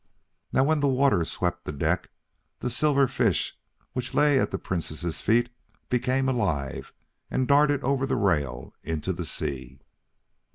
Now, when the water swept the deck, the silver fish which lay at the Princess's feet became alive and darted over the rail into the sea.